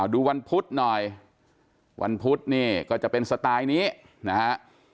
ดูวันพุธหน่อยวันพุธนี่ก็จะเป็นสไตล์นี้นะฮะ